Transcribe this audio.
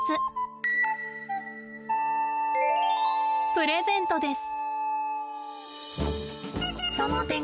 プレゼントです。